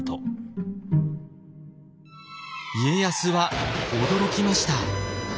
家康は驚きました。